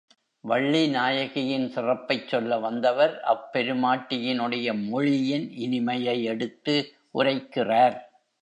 வள்ளிநாயகியின் சிறப்பைச் சொல்லவந்தவர் அப்பெருமாட்டியினுடைய மொழியின் இனிமையை எடுத்து உரைக்கிறார்.